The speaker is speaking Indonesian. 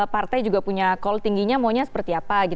partai juga punya call tingginya maunya seperti apa